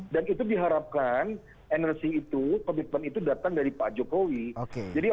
dan itu diharapkan energi itu komitmen itu datang dari pak jokowi